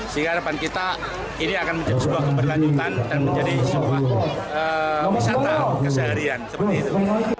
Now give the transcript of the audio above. sehingga depan kita ini akan menjadi sebuah keberlanjutan dan menjadi sebuah wisata keseharian seperti itu